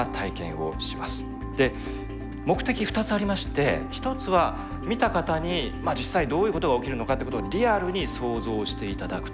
で目的２つありまして一つは見た方に実際どういうことが起きるのかということをリアルに想像して頂くということですね。